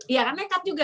iya kan nekat juga